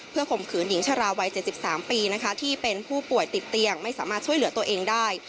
ข่มขืนหญิงชราวัย๗๓ปีนะคะที่เป็นผู้ป่วยติดเตียงไม่สามารถช่วยเหลือตัวเองได้